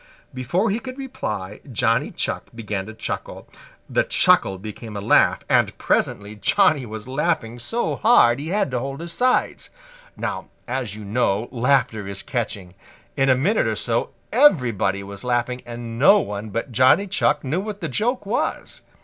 Before he could reply Johnny Chuck began to chuckle. The chuckle became a laugh, and presently Johnny was laughing so hard he had to hold his sides. Now, as you know, laughter is catching. In a minute or so everybody was laughing, and no one but Johnny Chuck knew what the joke was.